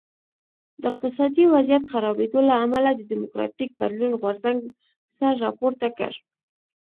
د اقتصادي وضعیت خرابېدو له امله د ډیموکراټیک بدلون غورځنګ سر راپورته کړ.